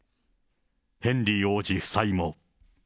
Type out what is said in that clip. ヘンリー王子夫妻も。